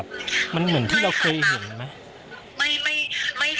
ที่โพสต์ก็คือเพื่อต้องการจะเตือนเพื่อนผู้หญิงในเฟซบุ๊คเท่านั้นค่ะ